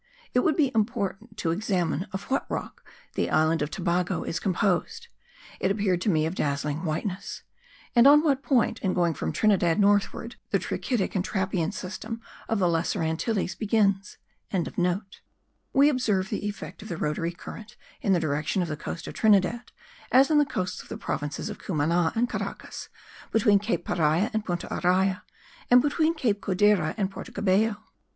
It would be important to examine of what rock the island of Tobago is composed; it appeared to me of dazzling whiteness; and on what point, in going from Trinidad northward, the trachytic and trappean system of the Lesser Antilles begins.) We observe the effect of the rotatory current in the direction of the coast of Trinidad, as in the coasts of the provinces of Cumana and Caracas, between Cape Paria and Punta Araya and between Cape Codera and Porto Cabello.